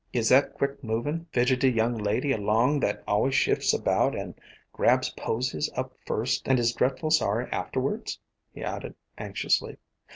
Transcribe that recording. "Is that quick movin', fidgety young lady along that always shifts about and grabs posies up first and is drefful sorry a'ter wards?" he added anxiously.